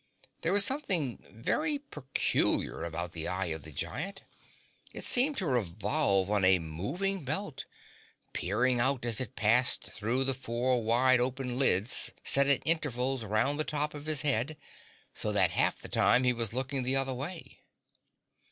There was something very peculiar about the eye of the Giant. It seemed to revolve on a moving belt, peering out as it passed through the four wide open lids set at intervals round the top of his head, so that half the time he was looking the other way.